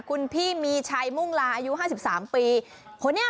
คุณพี่มีชัยมุ่งลาอายุ๕๓ปี